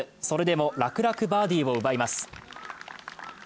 それでも楽々バーディーを奪います。